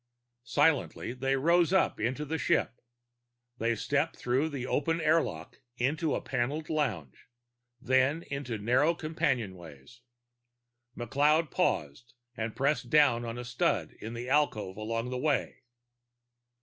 Silently they rode up into the ship. They stepped through the open airlock into a paneled lounge, then into narrow companionways. McLeod paused and pressed down a stud in an alcove along the way.